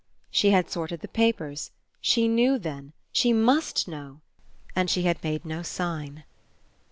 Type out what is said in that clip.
She had sorted the papers she knew, then she MUST know and she had made no sign!